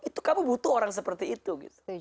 itu kamu butuh orang seperti itu gitu